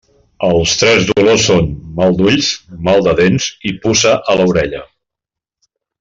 Els tres dolors són: mal d'ulls, mal de dents i puça a l'orella.